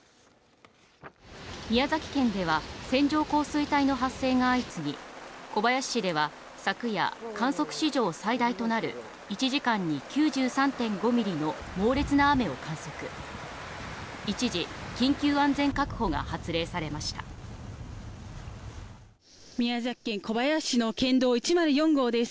宮崎県では線状降水帯の発生が相次ぎ小林市では昨夜、観測史上最大となる１時間に９３．５ミリの猛烈な雨を観測一時緊急安全確保が発令されました宮崎県小林市の県道１０４号です